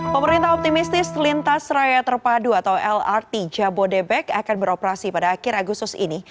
pemerintah optimistis lintas raya terpadu atau lrt jabodebek akan beroperasi pada akhir agustus ini